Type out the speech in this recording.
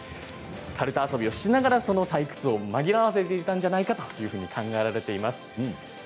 カルタ遊びをしながらその退屈を紛らわせていたんじゃないかと考えられています。